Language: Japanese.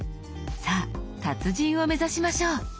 さぁ達人を目指しましょう。